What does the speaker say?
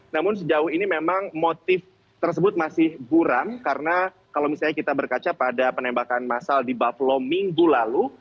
namun sejauh ini memang motif tersebut masih buram karena kalau misalnya kita berkaca pada penembakan masal di bublo minggu lalu